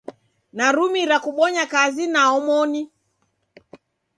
Nerumira kubonya kazi na omoni.